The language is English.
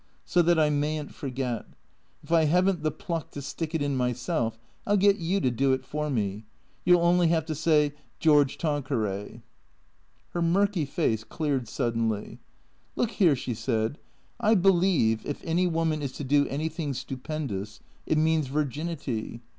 So that I may n't forget. If I have n't the pluck to stick it in myself, I '11 get you to do it for me. You '11 only have to say ' George Tanqueray.' " Her murky face cleared suddenly. " Look here," she said. " I believe, if any woman is to do anytliing stupendous, it means virginity.